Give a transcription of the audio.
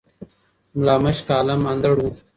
ملا مُشک عالَم اندړ وو